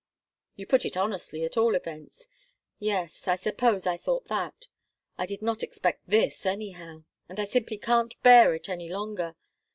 "You put it honestly, at all events. Yes. I suppose I thought that. I did not expect this, anyhow and I simply can't bear it any longer!